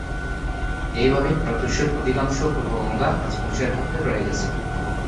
এইভাবে, প্রদেশের অধিকাংশ পূর্ব গঙ্গা রাজবংশের হাতে রয়ে গেছে।